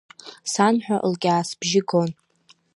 Сан ҳәа лкьаасбжьы гон.